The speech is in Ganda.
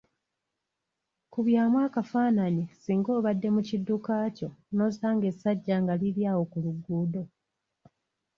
Kubyamu akafaananyi singa obadde mu kidduka kyo n‘osanga essajja nga liri awo ku luguudo.